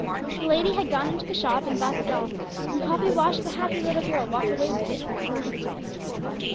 The lady had gone into the shop and bought the doll, and Poppy watched the happy little girl walk away with it in her arms.